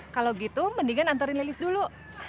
kalau gitu mendingan antarin lilis dulu